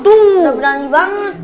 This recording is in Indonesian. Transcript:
udah berani banget